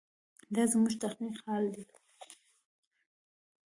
دا زموږ د تحقیق حال دی.